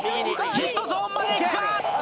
ヒットゾーンまでいくか？